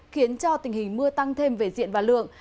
khiến cho tình hình mưa tăng thêm về diện và lượng